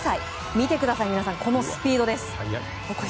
見てください皆さん、このスピードです。